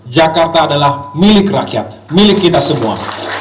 jakarta adalah milik rakyat milik kita semua